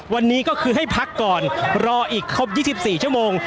วันนี้ก็คือให้พักก่อนรออีกครบ๒๔ชั่วโมง